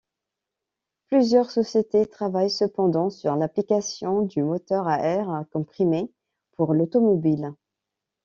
Plusieurs sociétés travaillent cependant sur l'application du moteur à air comprimé pour l'automobile.